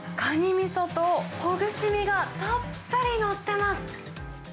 みそとほぐし身が、たっぷり載ってます。